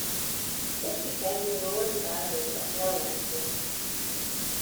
This became the northern boundary of "No Man's Land".